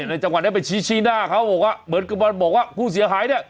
ในจังหวัดนั้นไปชี้หน้าเขาบอกว่าเหมือนกับบอกว่าผู้เสียหายเนี่ย